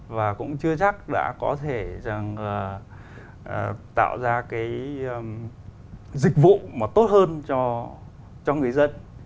và cũng chưa chắc đã có thể tạo ra cái dịch vụ mà tốt hơn cho người dân